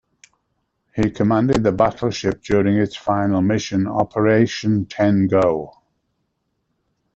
He commanded the battleship during its final mission: Operation "Ten-Go".